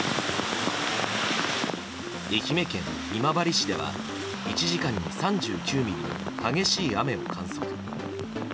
愛媛県今治市では１時間に３９ミリの激しい雨を観測。